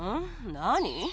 何？